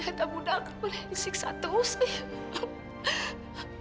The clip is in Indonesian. kita mudah kembali isik satu sih